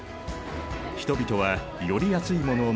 人々はより安いものを求め